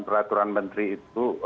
peraturan menteri itu